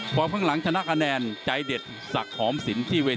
พอเพิ่งหลังชนะคะแนนใจเด็ดศักดิ์หอมสินที่เยี่ยม